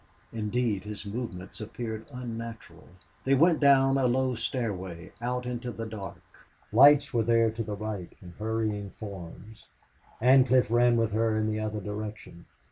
Indeed, his movements appeared unnatural. They went down a low stairway, out into the dark. Lights were there to the right, and hurrying forms. Ancliffe ran with her in the other direction.